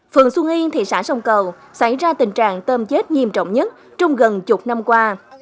phường xuân yên thị xã sông cầu xảy ra tình trạng tôm chết nghiêm trọng nhất trong gần chục năm qua